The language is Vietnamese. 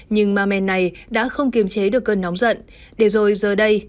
nhưng ma men này đã không kiềm chế được cơn nóng giận để rồi giờ đây